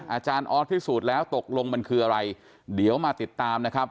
อาจารย์ออสพิสูจน์แล้วตกลงมันคืออะไรเดี๋ยวมาติดตามนะครับ